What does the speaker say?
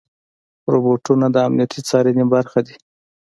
روبوټونه د امنیتي څارنې برخه دي.